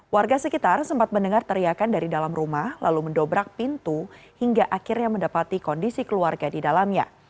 warga sekitar sempat mendengar teriakan dari dalam rumah lalu mendobrak pintu hingga akhirnya mendapati kondisi keluarga di dalamnya